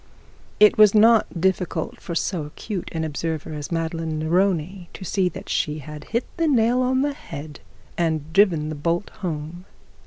It was not difficult for so acute an observer as Madeline Neroni to see that she had hit the nail on the head and driven the bolt home.